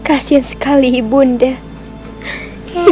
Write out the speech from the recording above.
kasian sekali bunda